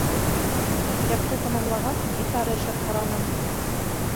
— Мәктәпте тамамлағас, гитара эшләп ҡараным.